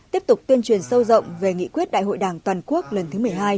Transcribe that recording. tiếp tục tuyên truyền sâu rộng về nghị quyết đại hội đảng toàn quốc lần thứ một mươi hai